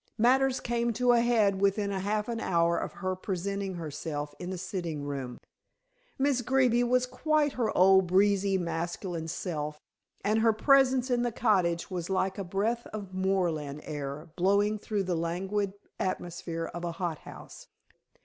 Matters came to a head within half an hour of her presenting herself in the sitting room. Miss Greeby was quite her old breezy, masculine self, and her presence in the cottage was like a breath of moorland air blowing through the languid atmosphere of a hot house.